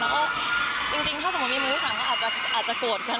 แล้วก็จริงถ้าสมมุติมีมือลูกสาวก็อาจจะโกรธกัน